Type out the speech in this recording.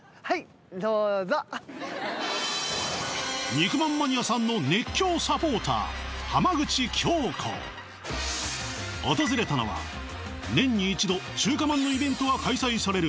肉まんマニアさんの訪れたのは年に一度中華まんのイベントが開催される